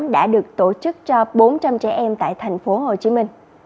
đã được tổ chức cho bốn trăm linh trẻ em tại tp hcm